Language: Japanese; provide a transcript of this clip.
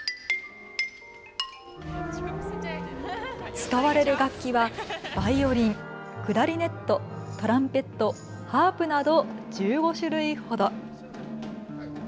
使われる楽器はバイオリン、クラリネットトランペット、ハープなど１５種類ほど。